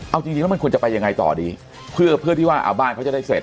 เอาจริงจริงแล้วมันควรจะไปยังไงต่อดีเพื่อเพื่อที่ว่าเอาบ้านเขาจะได้เสร็จ